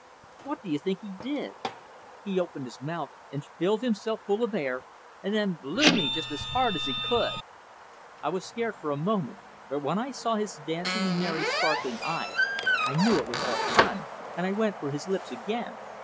What do you think he did? He opened his mouth and filled himself full of air, and then blew me just as hard as he could. I was scared for a moment, but when I saw his dancing, merry, sparkling eyes I knew it was all fun, and I went for his lips again.